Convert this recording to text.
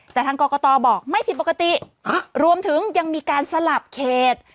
แต่ทางกรกตบอกไม่ผิดปกติรวมถึงยังมีการสลับเขต